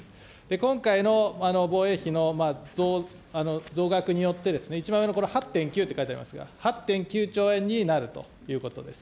今回の防衛費の増額によって、一番上のこれ、８．９と書いてありますが、８．９兆円になるということです。